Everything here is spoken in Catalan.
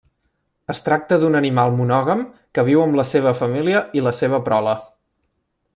Es tracta d'un animal monògam que viu amb la seva família i la seva prole.